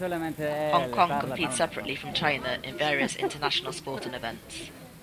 Hong Kong competes separately from China in various international sporting events.